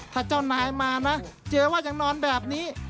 ถ้าเจ้านายมานะเจ๊ว่ายังนอนแบบนี้